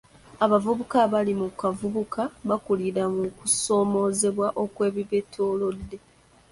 Abavubuka abali mu kaabuvubuka bakulira mu kusoomoozebwa kw'ebibeetoolodde